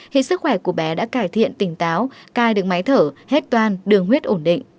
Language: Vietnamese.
hiện sức khỏe của bé đã cải thiện tỉnh táo cai được máy thở hết toan đường huyết ổn định